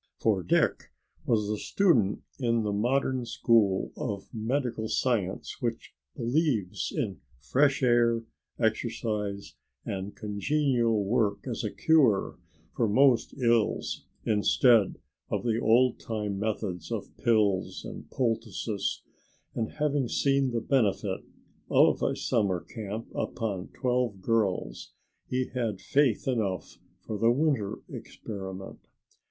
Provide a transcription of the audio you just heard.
For Dick was a student in the modern school of medical science which believes in fresh air, exercise and congenial work as a cure for most ills instead of the old time methods of pills and poultices, and having seen the benefit of a summer camp upon twelve girls he had faith enough for the winter experiment.